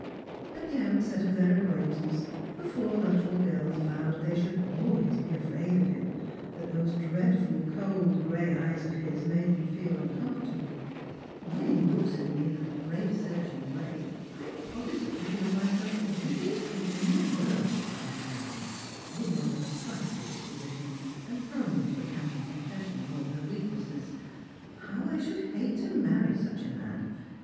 At the outset of their acquaintance the four Luttrell girls vowed they should always be afraid of him, that those dreadful cold grey eyes of his made them feel uncomfortable. 8 tStrangers and i'ilgrim*. " Wlien he looks at me in tliat grave searching way, I posi« lively feel myself the wickedest creature in the world," cried Diana, who was of a sprightly disposition, and prone to a candid confession of all her weaknesses. " How I should hate to marry such a man